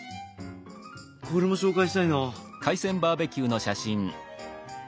これも紹介したいな。